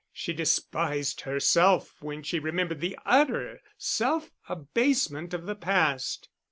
She despised herself when she remembered the utter self abasement of the past.